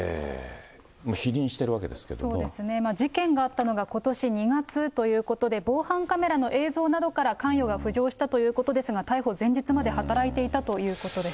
そうですね、事件があったのが、ことし２月ということで、防犯カメラの映像などから関与が浮上したということですが、逮捕前日まで働いていたということです。